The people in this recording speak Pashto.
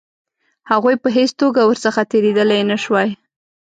هغوی په هېڅ توګه ورڅخه تېرېدلای نه شوای.